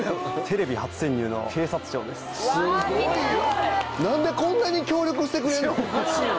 すごいわ！